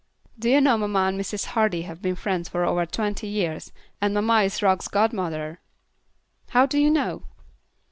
Do you know mamma and Mrs. Hardy have been friends for over twenty years, and mamma is Rock's godmother?" "How do you know?"